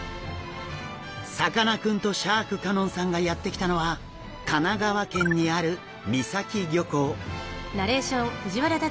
さかなクンとシャーク香音さんがやって来たのは神奈川県にある三崎漁港。